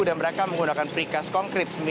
dan mereka menggunakan prikas konkret